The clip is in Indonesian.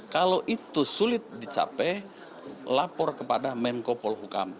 kalau itu sulit dicapai lapor kepada menko polhukam